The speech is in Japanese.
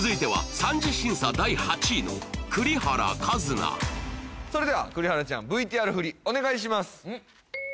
続いてはそれでは栗原ちゃんＶＴＲふりお願いします